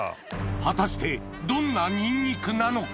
果たしてどんなニンニクなのか？